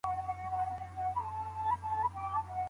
د ماسټرۍ برنامه په خپلسري ډول نه ویشل کیږي.